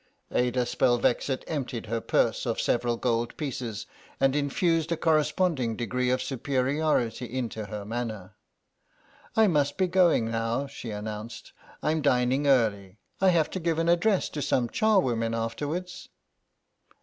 Ada Spelvexit emptied her purse of several gold pieces and infused a corresponding degree of superiority into her manner. "I must be going now," she announced; "I'm dining early. I have to give an address to some charwomen afterwards."